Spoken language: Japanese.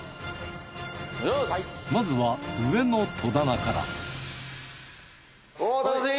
まずは上の戸棚から楽しみ！